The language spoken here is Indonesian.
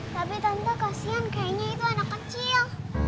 tapi tante kasihan kayaknya itu anak kecil